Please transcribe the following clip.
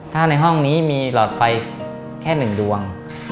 ถ้าในห้องนี้มีหลอดไฟแค่๑ดวง